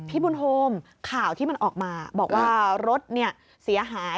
พี่บุญโฮมข่าวที่มันออกมาบอกว่ารถเสียหาย